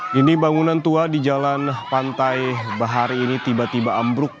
kini bangunan tua di jalan pantai bahari ini tiba tiba ambruk